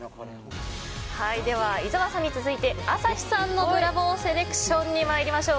では伊沢さんに続いて朝日さんのブラボーセレクションに参りましょう。